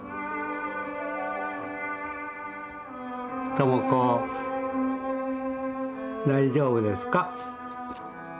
朋子大丈夫ですか？